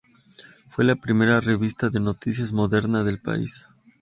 Fue la primera revista de noticias moderna del país.